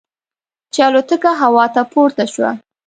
چې الوتکه هوا ته پورته شوه.